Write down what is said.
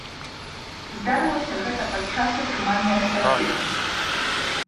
Здарылася гэта падчас атрымання эстафеты.